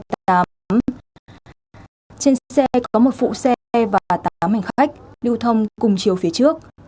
trên xe có một phụ xe và tám hành khách